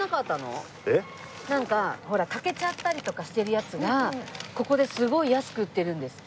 なんかほら欠けちゃったりとかしてるやつがここですごい安く売ってるんですって。